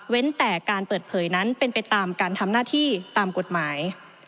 แต่การเปิดเผยนั้นเป็นไปตามการทำหน้าที่ตามกฎหมาย